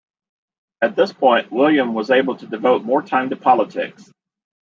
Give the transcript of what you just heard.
At this point William was able to devote more time to politics.